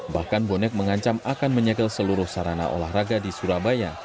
bahkan bonek mengancam akan menyegel seluruh sarana olahraga di surabaya